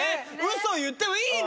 嘘言ってもいいのに。